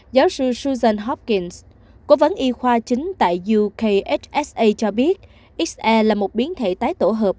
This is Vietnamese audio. giáo sư susan hopkins cố vấn y khoa chính tại ukhsa cho biết xe là một biến thể tái tổ hợp